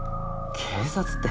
警察って。